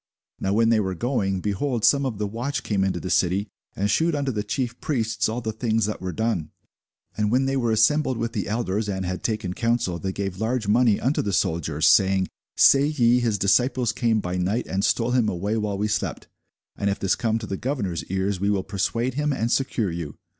Now when they were going, behold, some of the watch came into the city, and shewed unto the chief priests all the things that were done. And when they were assembled with the elders, and had taken counsel, they gave large money unto the soldiers, saying, Say ye, His disciples came by night, and stole him away while we slept. And if this come to the governor's ears, we will persuade him, and secure you.